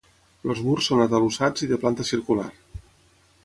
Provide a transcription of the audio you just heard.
Els murs són atalussats i de planta circular.